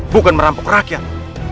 bukan merampok rakyat